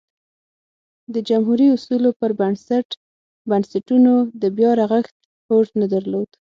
د جمهوري اصولو پر بنسټ بنسټونو د بیا رغښت هوډ نه درلود